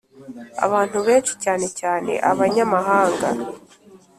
abantu benshi, cyane cyane abanyamahanga,